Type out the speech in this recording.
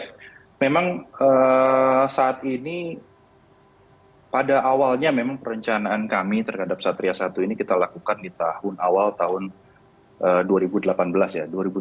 ya memang saat ini pada awalnya memang perencanaan kami terhadap satria satu ini kita lakukan di tahun awal tahun dua ribu delapan belas ya